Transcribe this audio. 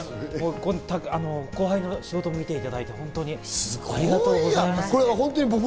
後輩の仕事も見ていただいてありがとうございます。